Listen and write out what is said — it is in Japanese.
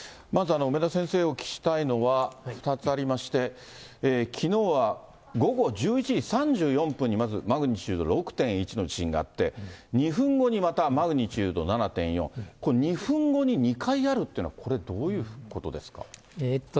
まず梅田先生、お聞きしたいのは２つありまして、きのうは午後１１時３４分にまずマグニチュード６．１の地震があって、２分後にまたマグニチュード７．４、これ、２分後に２回あるっていうのは、これ、どういうことですか。